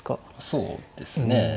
そうですね。